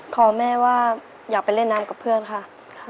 ขอแม่ว่าอยากไปเล่นน้ำกับเพื่อนค่ะ